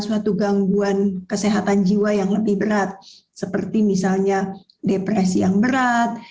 suatu gangguan kesehatan jiwa yang lebih berat seperti misalnya depresi yang berat